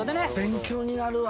勉強になるわ！